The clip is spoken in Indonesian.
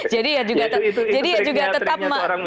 jadi ya juga tetap